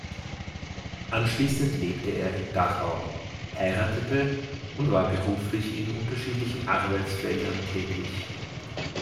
Anschließend lebte er in Dachau, heiratete, und war beruflich in unterschiedlichen Arbeitsfeldern tätig.